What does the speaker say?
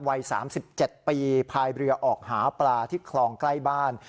วัย๓๗ปีพายเรือออกหาปลาที่คลองใกล้บ้าน